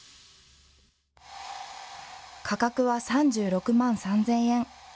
価格は３６万３０００円。